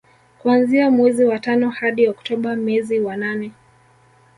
Kuanzia mwezi wa tano hadi Oktoba mezi wa nane